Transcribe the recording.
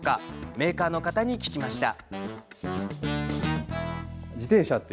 メーカーの方に聞きました。